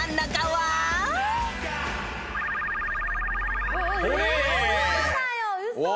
はい。